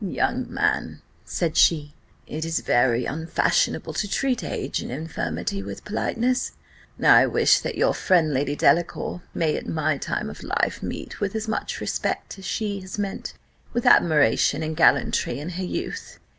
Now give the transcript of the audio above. "Young man," said she, "it is very unfashionable to treat age and infirmity with politeness. I wish that your friend, Lady Delacour, may at my time of life meet with as much respect, as she has met with admiration and gallantry in her youth.